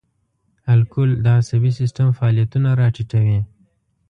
الکول د عصبي سیستم فعالیتونه را ټیټوي.